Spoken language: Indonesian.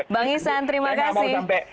bang isan terima kasih